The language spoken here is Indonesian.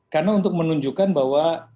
karena untuk menunjukkan bahwa